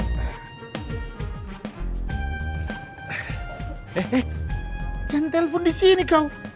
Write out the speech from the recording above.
eh jangan telpon disini kaw